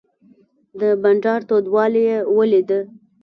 د بانډار تودوالی یې ولید.